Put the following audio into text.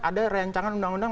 ada rencangan undang undang